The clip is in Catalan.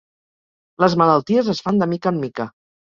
Les malalties es fan de mica en mica.